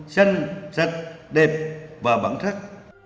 xanh sạch đẹp và bản thân